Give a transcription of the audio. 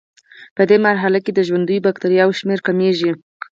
پدې مرحله کې د ژوندیو بکټریاوو شمېر کمیږي.